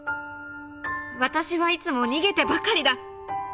私はいつも逃げてばかりだ。